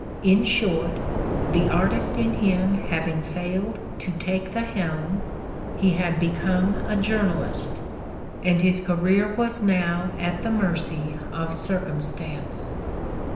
In short, the artist in him having failed to take the helm, he had become a journalist, and his career was now at the mercy of circumstance.